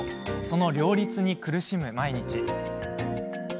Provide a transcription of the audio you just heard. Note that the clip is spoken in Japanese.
その両立に苦しむ毎日。